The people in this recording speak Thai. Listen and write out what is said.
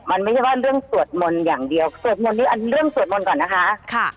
มันไม่ใช่ว่าเรื่องสวดมนต์อย่างเดียวเรื่องสวดมนต์ก่อนนะคะ